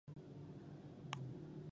د داخلي وزیر میرزکوال